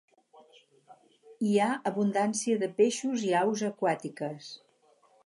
Hi ha abundància de peixos i aus aquàtiques.